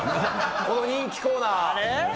この人気コーナー。